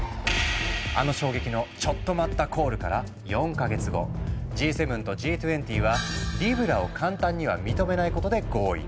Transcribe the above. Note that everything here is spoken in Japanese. あの衝撃のチョット待ったコールから４か月後Ｇ７とＧ２０はリブラを簡単には認めないことで合意。